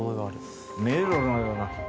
迷路のような。